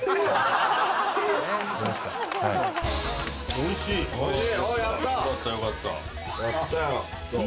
おいしい？